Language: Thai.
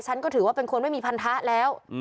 ฉันก็ถือว่าเป็นคนไม่มีพันธะแล้ว